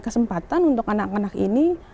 kesempatan untuk anak anak ini